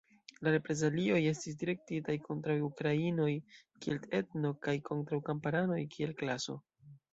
La reprezalioj estis direktitaj kontraŭ ukrainoj kiel etno kaj kontraŭ kamparanoj kiel klaso.